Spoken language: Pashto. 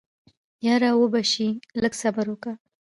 يره وبه شي لږ صبر وکه.